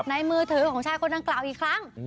มือถือของชายคนดังกล่าวอีกครั้ง